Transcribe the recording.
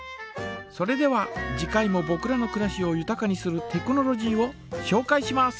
それでは次回もぼくらのくらしをゆたかにするテクノロジーをしょうかいします。